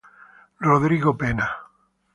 Rodrigo Pena.